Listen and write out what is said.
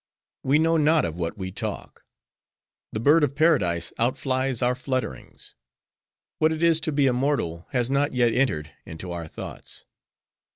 We know not of what we talk. The Bird of Paradise out flies our flutterings. What it is to be immortal, has not yet entered into our thoughts.